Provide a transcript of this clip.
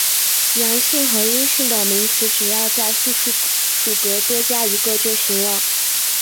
阳性和阴性的名词只要在复数属格多加一个就行了。